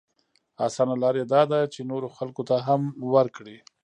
اسانه لاره يې دا ده چې نورو خلکو ته هم ورکړي.